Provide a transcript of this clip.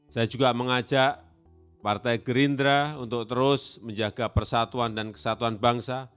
saya juga mengajak partai gerindra untuk terus menjaga persatuan dan kesatuan bangsa